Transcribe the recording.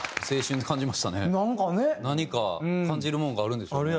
何か感じるものがあるんでしょうけど。